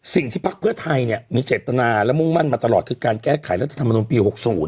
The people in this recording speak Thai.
ภักดิ์เพื่อไทยเนี่ยมีเจตนาและมุ่งมั่นมาตลอดคือการแก้ไขรัฐธรรมนุนปี๖๐